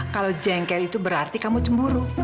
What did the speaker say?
kalau jengkel itu berarti kamu cemburu